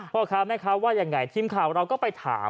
พ่อค้าแม่ค้าว่ายังไงทีมข่าวเราก็ไปถาม